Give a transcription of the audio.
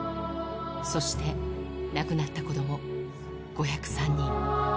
そして亡くなった子ども、５０３人。